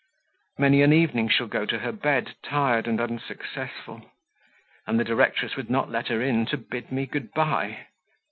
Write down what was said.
Many an evening she'll go to her bed tired and unsuccessful. And the directress would not let her in to bid me good bye?